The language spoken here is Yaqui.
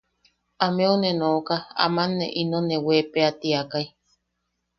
Ameu ne nooka aman ino ne weepea tiakai.